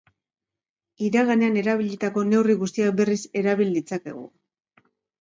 Iraganean erabilitako neurri guztiak berriz erabil ditzakegu.